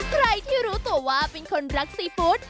ใครที่รู้ตัวว่าเป็นคนรักซีฟู้ด